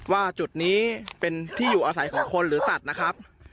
ว่าจุดนี้เป็นที่อยู่อาศัยของคนหรือสัตว์นะครับ